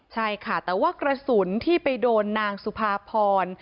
ใช่ค่ะแต่ว่ากระสุนที่ไปโดนนางสุภาพร